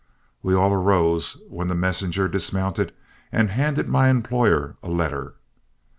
We all arose, when the messenger dismounted and handed my employer a letter.